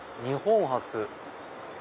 「日本初！